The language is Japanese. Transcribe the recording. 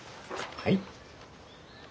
はい。